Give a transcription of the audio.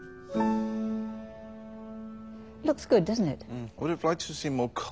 うん。